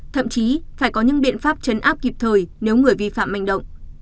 thậm chí phải có những biện pháp chấn áp kịp thời nếu người vi phạm manh động